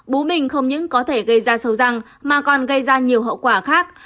bú bình không những có thể gây ra sâu răng mà còn gây ra nhiều hậu quả khác